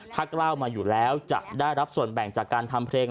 ถ้ากล้าวมาอยู่แล้วจะได้รับส่วนแบ่งจากการทำเพลง